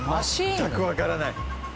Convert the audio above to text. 全くわからない。